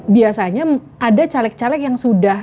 biasanya ada caleg caleg yang sudah